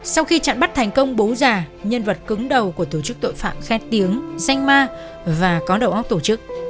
sau khi chặn bắt thành công bố già nhân vật cứng đầu của tổ chức tội phạm khen tiếng danh ma và có đầu óc tổ chức